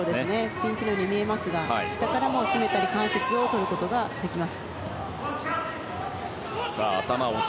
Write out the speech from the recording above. ピンチのように見えますが下からも絞めたり関節をとることができます。